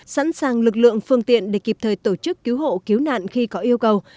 sẵn sàng lực lượng phương tiện để kịp thời tổ chức cứu hộ cứu nạn khi có yêu cầu